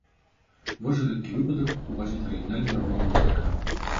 Вось жа рэдкі выпадак убачыць арыгінальную работу мастака.